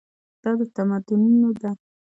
دا د تمدنونو ده.